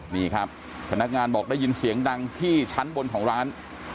นี่ครับพนักงานบอกได้ยินเสียงดังที่ชั้นบนของร้าน